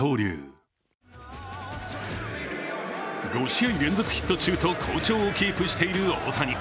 ５試合連続ヒット中と好調をキープしている大谷。